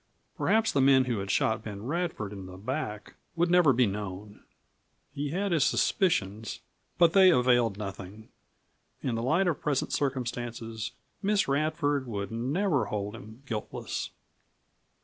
Perhaps the men who had shot Ben Radford in the back would never be known. He had his suspicions, but they availed nothing. In the light of present circumstances Miss Radford would never hold him guiltless.